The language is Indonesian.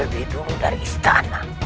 lebih dulu dari istana